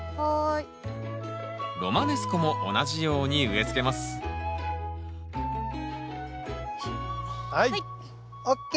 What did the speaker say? ロマネスコも同じように植えつけますはい！ＯＫ！